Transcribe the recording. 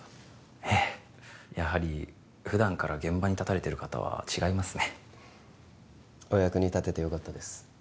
ええやはり普段から現場に立たれてる方は違いますねお役に立ててよかったです